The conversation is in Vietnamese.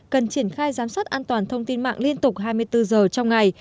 cần triển khai giám sát an toàn thông tin mạng liên tục hai mươi bốn giờ trong ngày